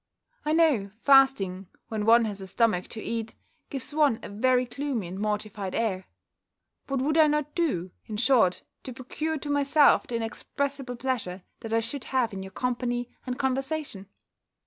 I know, fasting, when one has a stomach to eat, gives one a very gloomy and mortified air. What would I not do, in short, to procure to myself the inexpressible pleasure that I should have in your company and conversation?